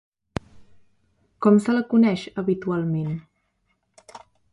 Com se la coneix, habitualment?